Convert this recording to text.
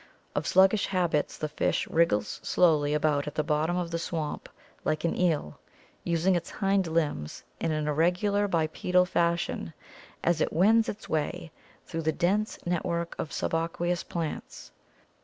Of sluggish habits, the fish wriggles slowly about at the bottom of the swamp like an eel, using its hind limbs in an irregular bipedal fashion as it wends its way through the dense network of suba queous plants.